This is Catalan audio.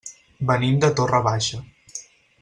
Venim de Torre Baixa.